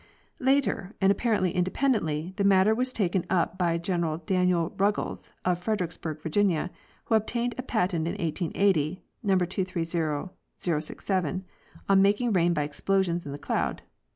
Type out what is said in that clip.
Later, and apparently independently, the matter was taken up by General Daniel Ruggles, of Fredericksburg, Virginia, who obtained a patent in 1880 (number 230,067) on making rain by explosions in the clouds.